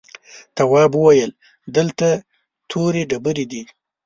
تواب وويل: دلته تورې ډبرې دي.